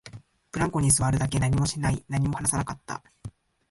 ブランコに座るだけ、何もしない、何も話さなかった